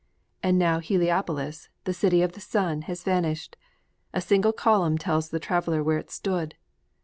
And now Heliopolis, the City of the Sun, has vanished! A single column tells the traveler where it stood!